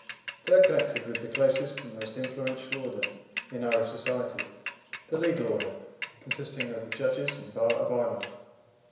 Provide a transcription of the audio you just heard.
They are connected with the closest and most influential order in Irish society the legal order, consisting of the judges and Bar of Ireland.